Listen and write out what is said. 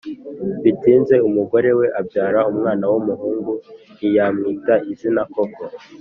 bitinze umugore we abyara umwana w'umuhungu ntiyamwita izina koko.